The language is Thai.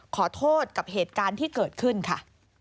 ขอโทษกับเหตุการณ์ที่เกิดขึ้นค่ะ